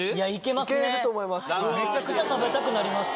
めちゃくちゃ食べたくなりました。